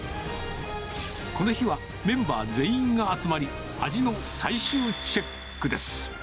この日はメンバー全員が集まり、味の最終チェックです。